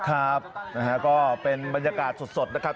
ครับนะฮะก็เป็นบรรยากาศสดนะครับ